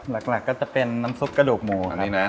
หลักก็จะเป็นน้ำซุปกระดูกหมูอันนี้นะ